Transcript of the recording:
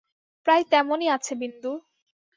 প্রায় তেমনি আছে বিন্দু।